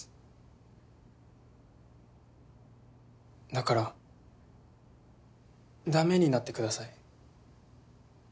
だから駄目になってください。